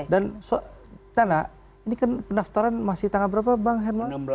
dan tana ini kan pendaftaran masih tanggal berapa bang herman